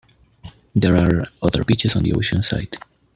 There are other beaches on the ocean side.